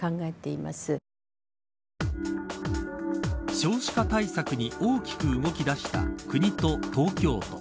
少子化対策に大きく動き出した国と東京都。